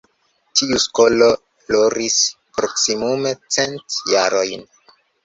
Tiu skolo floris proksimume cent jarojn.